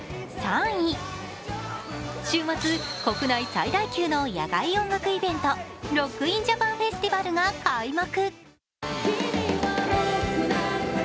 週末、国内最大級の野外音楽イベントロック・イン・ジャパン・フェスティバルが開幕。